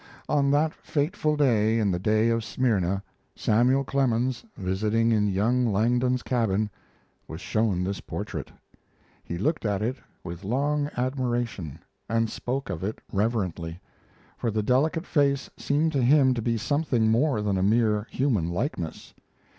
On that fateful day in the day of Smyrna, Samuel Clemens, visiting in young Langdon's cabin, was shown this portrait. He looked at it with long admiration, and spoke of it reverently, for the delicate face seemed to him to be something more than a mere human likeness.